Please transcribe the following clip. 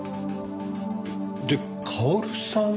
で薫さん？